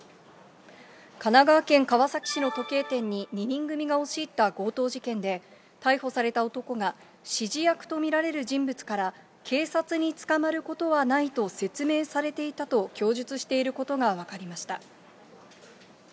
神奈川県川崎市の時計店に２人組が押し入った強盗事件で、逮捕された男が、指示役と見られる人物から、警察に捕まることはないと説明されていたと供述していることが分かりました。